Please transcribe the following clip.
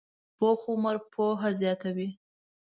پوخ عمر پوهه زیاته وي